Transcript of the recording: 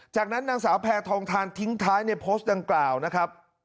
จากนั้นนางสาวแพทองทานทิ้งท้ายในโพสต์ดังกล่าวนะครับ